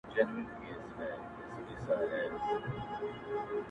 o بس شكر دى الله چي يو بنگړى ورځينـي هېـر سو،